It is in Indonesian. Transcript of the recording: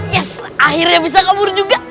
yes akhirnya bisa kabur juga